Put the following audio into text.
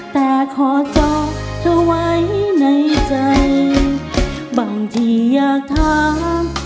แต่ขอจองเธอไว้ในใจบางทีอยากถาม